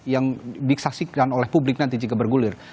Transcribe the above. yang disaksikan oleh publik nanti jika bergulir